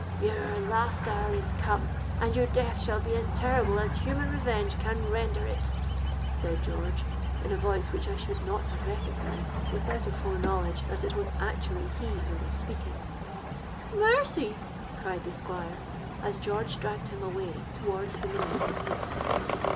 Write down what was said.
'—'Your last hour is come! and your death shall be as terrible as human revenge can render it!' said George, in a voice which I should not have recognised without a foreknowledge that it was actually he who was speaking.—'Mercy!' cried the Squire, as George dragged him away towards the middle of the pit.